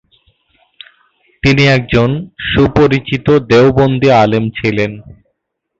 তিনি একজন সুপরিচিত দেওবন্দী আলেম ছিলেন।